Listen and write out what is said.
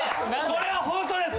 これはホントです！